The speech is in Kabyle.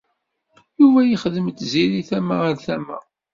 Yuba yexdem d Tiziri tama ar tama.